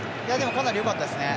かなりよかったですね。